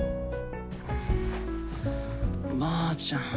ばあちゃん。